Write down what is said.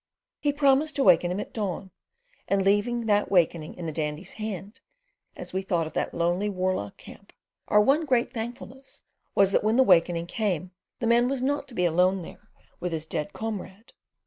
He promised to waken him at the dawn, and leaving that awakening in the Dandy's hands, as we thought of that lonely Warloch camp our one great thankfulness was that when the awakening came the man was not to be alone there with his dead comrade.